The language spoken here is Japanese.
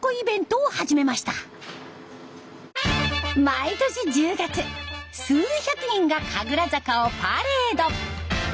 毎年１０月数百人が神楽坂をパレード。